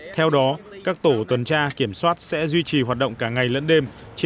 theo đó các tổ tuần tra kiểm soát sẽ duy trì hoạt động cả ngày lẫn đêm